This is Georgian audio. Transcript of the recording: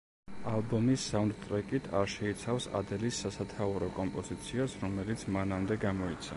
ალბომი საუნდტრეკით არ შეიცავს ადელის სასათაურო კომპოზიციას, რომელიც მანამდე გამოიცა.